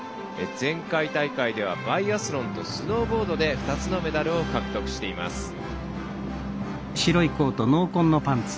前回大会ではバイアスロンとスノーボードで２つのメダルを獲得しています。